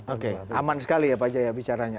oke aman sekali ya pak jaya bicaranya